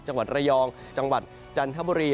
จังหวัดระยองจังหวัดจันทบุรี